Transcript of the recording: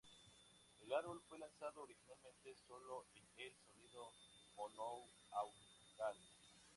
El álbum fue lanzado originalmente sólo en el sonido monoaural.